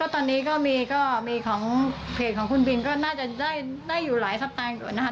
ตอนนี้ก็มีของเพจของคุณบินก็น่าจะได้อยู่หลายสไตล์ก่อนนะคะ